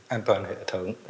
an toàn hệ thống